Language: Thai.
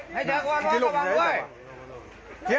ให้เจ้าความรักระวังด้วย